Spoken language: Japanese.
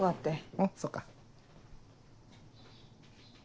うんそっか。